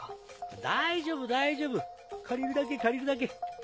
大丈夫大丈夫借りるだけ借りるだけ。